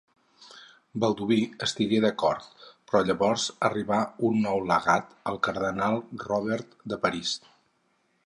Balduí estigué d'acord, però llavors arribà un nou legat, el cardenal Robert de París.